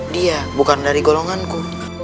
dia bukan dari golonganku